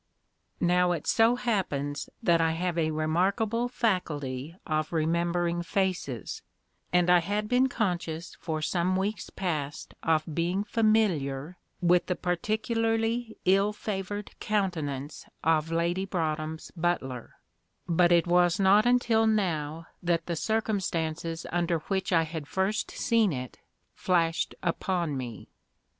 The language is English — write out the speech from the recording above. Now it so happens that I have a remarkable faculty of remembering faces, and I had been conscious for some weeks past of being familiar with the particularly ill favoured countenance of Lady Broadhem's butler; but it was not until now that the circumstances under which I had first seen it flashed upon me.